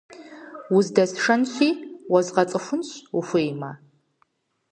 Уздэсшэнщи, уэзгъэцӀыхунщ, ухуеймэ.